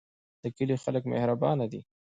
د کلی خلک مهربانه دي